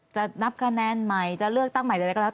จะนับคะแนนใหม่จะเลือกตั้งใหม่ใดก็แล้ว